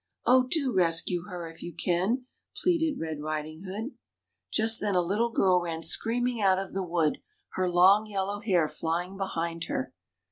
Oh ! do rescue her, if you can," pleaded Red Riding hood. Just then a little girl ran screaming out of the wood, her long yellow hair flying behind her.